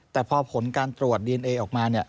แต่พอผลการตรวจดีเอนเอออกมา